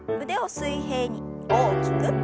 腕を水平に大きく。